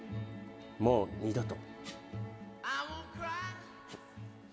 もう二度と。